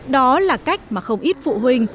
đó là cách mà không ít phụ huynh